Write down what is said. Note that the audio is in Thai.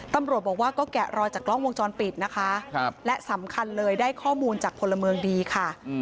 ตำรวจบอกว่าก็แกะรอยจากกล้องวงจรปิดนะคะและสำคัญเลยได้ข้อมูลจากพลเมืองดีค่ะ